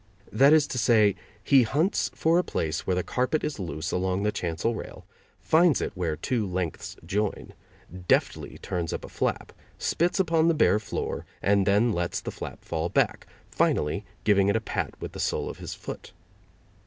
That is to say, he hunts for a place where the carpet is loose along the chancel rail, finds it where two lengths join, deftly turns up a flap, spits upon the bare floor, and then lets the flap fall back, finally giving it a pat with the sole of his foot.